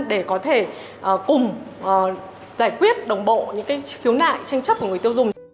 để có thể cùng giải quyết đồng bộ những khiếu nại tranh chấp của người tiêu dùng